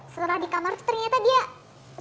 setelah di kamar ternyata dia sampai enam tiga puluh